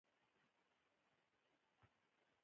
هوښیار څوک دی چې د خبرو مخکې فکر کوي.